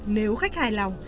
nếu khách hài lòng